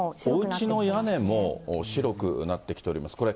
おうちの屋根も白くなってきております。